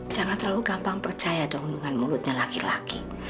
jangan terlalu gampang percaya dong dengan mulutnya laki laki